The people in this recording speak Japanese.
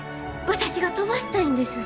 私が飛ばしたいんです。